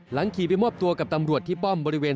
ขี่ไปมอบตัวกับตำรวจที่ป้อมบริเวณ